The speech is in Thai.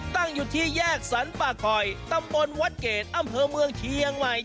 ตั้งอยู่ที่แยกสรรป่าคอยตำบลวัดเกรดอำเภอเมืองเชียงใหม่